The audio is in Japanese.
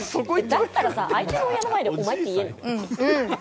だったらさ相手の親の前で「お前」って言えるの？